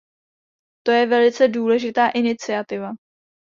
To je velice důležitá iniciativa.